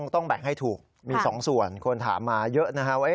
ต้องแบ่งให้ถูกมี๒ส่วนคนถามมาเยอะนะครับว่า